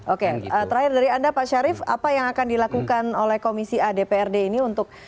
oke terakhir dari anda pak syarif apa yang akan dilakukan oleh komisi adprd ini untuk